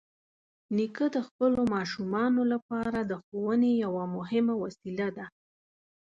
نیکه د خپلو ماشومانو لپاره د ښوونې یوه مهمه وسیله ده.